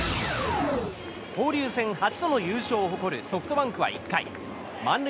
交流戦８度の優勝を誇るソフトバンクは１回満塁